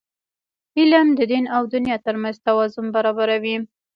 علم د دین او دنیا ترمنځ توازن برابروي.